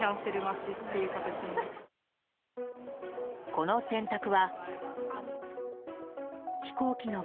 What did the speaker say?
この選択は。